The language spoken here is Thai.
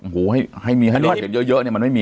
ให้รอดเก่งเยอะมันไม่มี